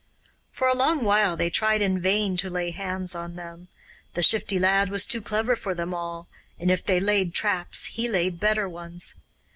For a long while they tried in vain to lay hands on them. The Shifty Lad was too clever for them all, and if they laid traps he laid better ones.